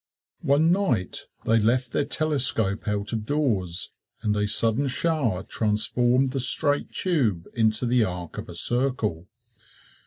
One night they left their telescope out of doors, and a sudden shower transformed the straight tube into the arc of a circle.